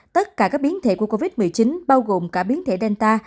tất cả các biến thể của covid một mươi chín bao gồm cả biến thể delta